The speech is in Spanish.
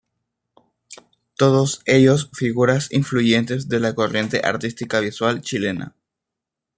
Todos ellos figuras influyentes de la corriente artística visual chilena.